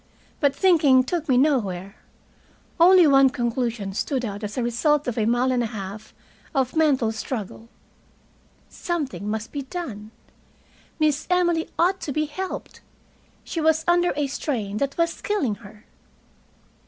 But thinking took me nowhere. Only one conclusion stood out as a result of a mile and a half of mental struggle. Something must be done. Miss Emily ought to be helped. She was under a strain that was killing her.